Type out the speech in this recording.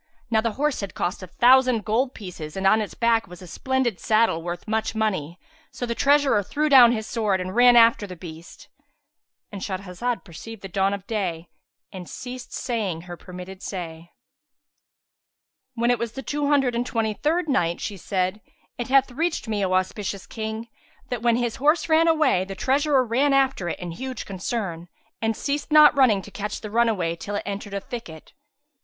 Now the horse had cost a thousand gold pieces and on its back was a splendid saddle worth much money; so the treasurer threw down his sword, and ran after his beast.—And Shahrazad perceived the dawn of day and ceased saying her permitted say. When it was the Two Hundred and Twenty third Night, She said, It hath reached me, O auspicious King, that when his horse ran away, the treasurer ran after it in huge concern, and ceased not running to catch the runaway till it entered a thicket.